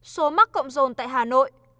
số mắc cộng rồn tại hà nội